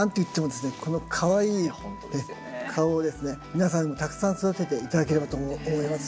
皆さんにたくさん育てて頂ければと思います。